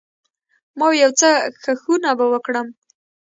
ما وې يو څه کښښونه به وکړم.